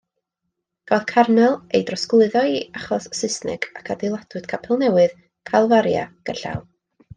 Cafodd Carmel ei drosglwyddo i achos Saesneg ac adeiladwyd capel newydd, Calfaria, gerllaw.